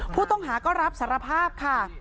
ผู้ต้องหาก็รับสารภาพค่ะ